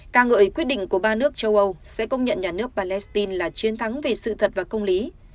ca ngợi quyết định của ba nước châu âu sẽ công nhận nhà nước palestine là chiến thắng vì sự thật và công lý